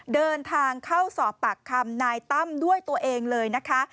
เดินทางเข้าสอบปากคำนายตั้มด้วยตัวเองเลยนะคะ